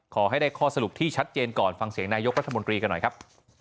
ขอให้ได้ข้อสรุปที่ชัดเจนก่อนฟังเสียงนายกรัฐมนตรีกันหน่อยครับ